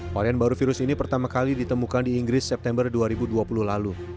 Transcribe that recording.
varian baru virus ini pertama kali ditemukan di inggris september dua ribu dua puluh lalu